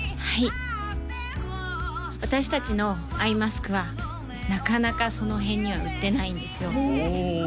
はい私達のアイマスクはなかなかその辺には売ってないんですよ